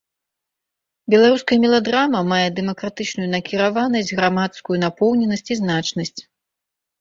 Беларуская меладрама мае дэмакратычную накіраванасць, грамадскую напоўненасць і значнасць.